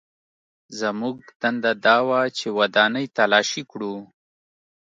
زموږ دنده دا وه چې ودانۍ تلاشي کړو